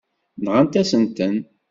Nɣant-asent-ten.